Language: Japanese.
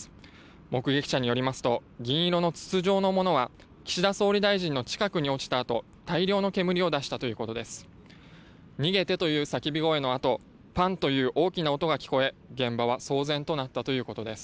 目撃者によりますと銀色の筒状のものは岸田総理大臣の近くに落ちたあと大量の煙を出したということです。